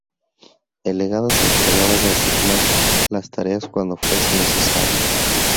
El legado se encargaba de asignar las tareas cuando fuese necesario.